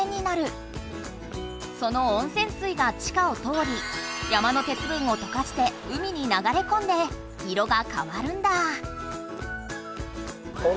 その温泉水が地下を通り山の鉄分をとかして海に流れこんで色がかわるんだ。